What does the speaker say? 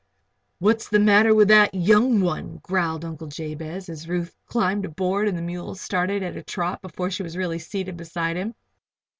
"What's the matter with that young one?" growled Uncle Jabez, as Ruth climbed aboard and the mules started at a trot before she was really seated beside him.